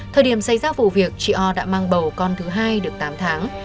thời điểm xảy ra vụ việc chị o đã mang bầu con thứ hai được tám tháng